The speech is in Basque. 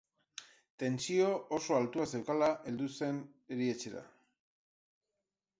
Tentsio oso altua zeukala heldu zer erietxera.